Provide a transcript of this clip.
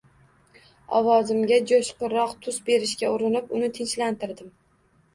Ovozimga jo`shqinroq tus berishga urinib, uni tinchlantirdim